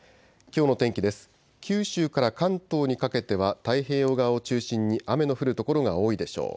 九州から関東にかけては太平洋側を中心に雨の降る所が多いでしょう。